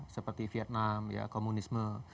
seperti vietnam komunisme